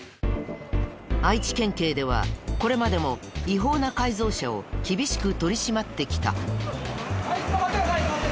愛知県警ではこれまでも違法な改造車を厳しく取り締まってきた。